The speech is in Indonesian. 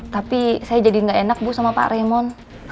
tapi saya jadi nggak enak bu sama pak remon